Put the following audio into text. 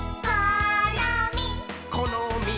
「このみっ！」